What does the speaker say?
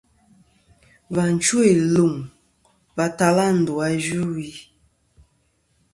Và chwo iluŋ va tala ndu a yvɨwi.